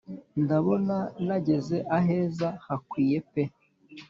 Ndabona nageze aheza hakwiye pe